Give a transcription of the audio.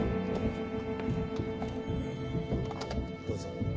どうぞ。